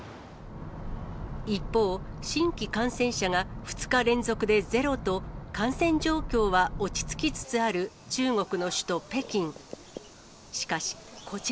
一方、新規感染者が２日連続でゼロと、感染状況は落ち着きつつある中国の首都北京。